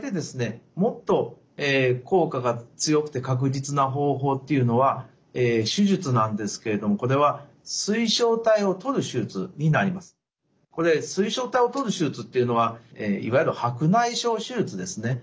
もっと効果が強くて確実な方法というのは手術なんですけれどもこれはこれ水晶体をとる手術というのはいわゆる白内障手術ですね。